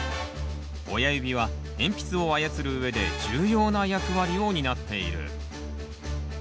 親指は鉛筆を操るうえで重要な役割を担っている！